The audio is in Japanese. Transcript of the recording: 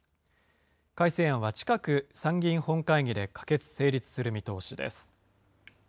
改正案は近く、参議院本会議で可決・成立する見通しです。